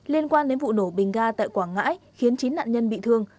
liên quan đến vụ nổ bình ga tại quảng ngãi khiến chín nạn nhân bị thương